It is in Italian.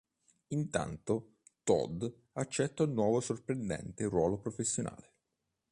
Intanto Todd accetta un nuovo sorprendente ruolo professionale.